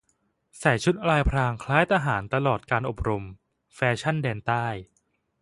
ใส่ชุดลายพรางคล้ายทหารตลอดการอบรม แฟชั่นแดนใต้